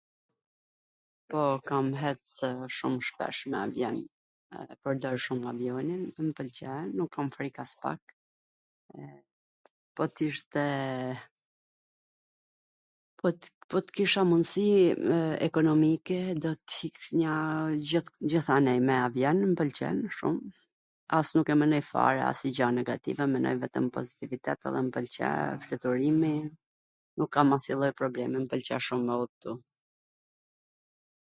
Po, kam hecw shum shpesh me avjon, e pwrdor shum avjonin, mw pwlqen, nuk kam frik aspak, po t ishteee, po t kisha mundsi ekonomike do t iknja gjithanej me avjon, mw pwlqen shum, as nuk e menoj fare asnjw gjw negative, menoj vetwm pozitivet, edhe mw pwlqe, wsht fluturimi, nuk kam asnjw lloj problemi, m pwlqe shum me udhtu..